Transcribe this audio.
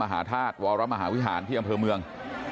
หาธาตุวรมหาวิหารที่อำเภอเมือง